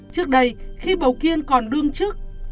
trước đây khi bầu kiên còn đương chức